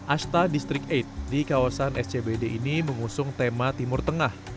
ashta district delapan di kawasan scbd ini mengusung tema timur tengah